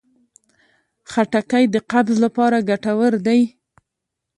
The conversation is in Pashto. خټکی د قبض لپاره ګټور دی.